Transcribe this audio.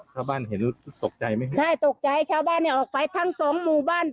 ชาวบ้านเห็นตกใจไหมครับใช่ตกใจชาวบ้านเนี่ยออกไปทั้งสองหมู่บ้าน